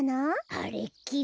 あれっきり。